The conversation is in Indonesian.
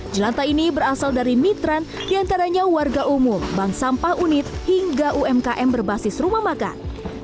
jelanta ini berasal dari mitra diantaranya warga umum bank sampah unit hingga umkm berbasis rumah makan